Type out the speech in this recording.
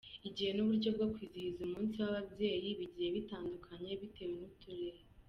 Igihe n’uburyo bwo kwizihiza umunsi w’ababyeyi bigiye bitandukanye bitewe n’uturere.